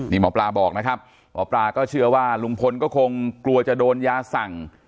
นี่หมอปลาบอกนะครับหมอปลาก็เชื่อว่าลุงพลก็คงกลัวจะโดนยาสั่ง